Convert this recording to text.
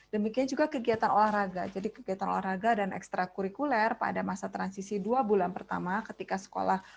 demikian juga kegiatan olahraga jadi kegiatan olahraga dan ekstra kurikuler pada masa transisi dua bulan pertama ketika sekolah